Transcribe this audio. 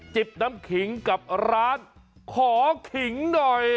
จิพนำงหิงกับร้านขอหิงหน่อย